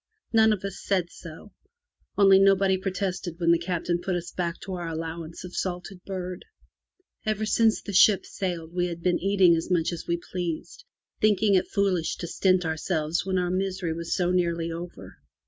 None of us said so, only nobody protested when the Captain put us back to our allowance of salted bird. Ever since the boat sailed we had been eating as much as we pleased, thinking it foolish to stint ourselves when our misery was so nearly over.